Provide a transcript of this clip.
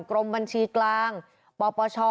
กรมบัญชีกลางปปช